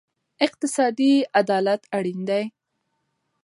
اقتصادي عدالت اړین دی.